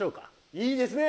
いいですね。